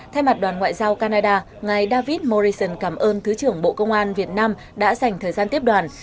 thay mặt đoàn ngoại giao canada ngài david morrison cảm ơn thứ trưởng bộ công an việt nam đã dành thời gian tiếp đoàn